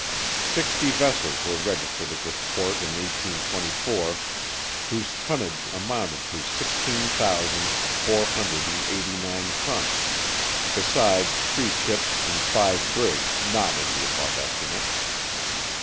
Sixty vessels were registered at this port in 1824, whose tonnage amounted to sixteen thousand four hundred and eighty nine tons, besides three ships and five brigs not in the above estimate.